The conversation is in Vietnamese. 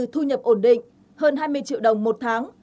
thu nhập ổn định hơn hai mươi triệu đồng một tháng